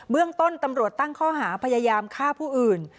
เรื่องต้นตำรวจตั้งข้อหาพยายามฆ่าผู้อื่น